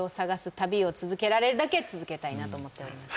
旅を続けられるだけ続けたいなと思っております